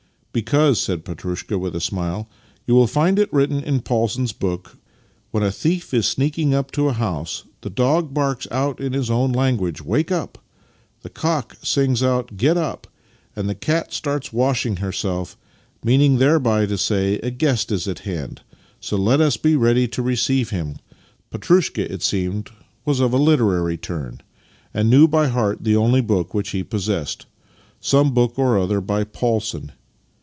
" Because," said Petrushka, with a smile, " you will find it written in Paulson's book: ' When a thief is sneaking up to a house the dog barks out in his own language — Wake up! the cock sings out — Get up! and the cat starts washing herself — meaning thereby to say: A guest is at hand, so let us be ready to receive him! '" Petrushka, it seemed, was of a literary turn, and knew by heart the only book which he possessed — some book or other by Paulson.